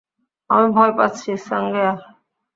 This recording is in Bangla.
আমি ভয় পাচ্ছি, সাঙ্গেয়া।